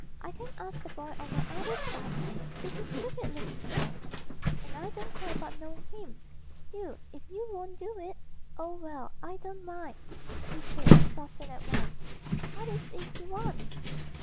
I can ask the boy on my other side he's a stupid looking boy, and I don't care about knowing him still, if you won't do it ' 'Oh, well, I don't mind,' he said, softened at once. 'What is it you want?'